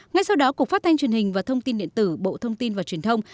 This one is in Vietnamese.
ngay sau đó cục phát thanh truyền hình và thông tin điện tử bộ thông tin và truyền thông